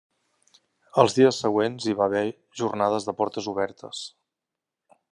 Els dies següents hi va haver jornades de portes obertes.